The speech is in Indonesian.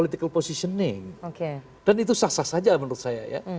dan itu sah sah saja menurut saya